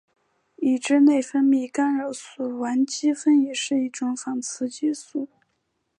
已知的内分泌干扰素烷基酚也是一种仿雌激素。